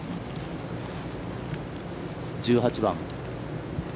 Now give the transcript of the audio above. １８番。